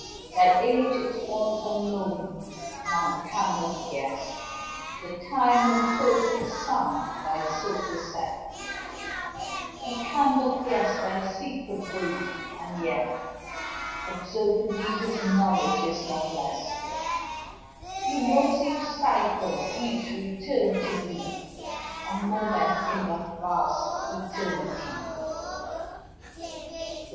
Thy age is all unknown man can but guess The time when first the Sun thy circle set He can but guess thy secret birth and yet Observing thee his knowledge is not less; He knows each cycle, each return to be A moment in that vast eternity.